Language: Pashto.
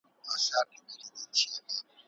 چي د ځوانیو هدیرې وژاړم